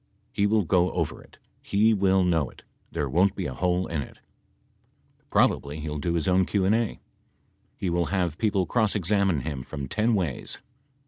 He will go over it. He will know it. There won't be a hole in it. Probably he will do his own Q and A. He will have people cross examine him from ten ways.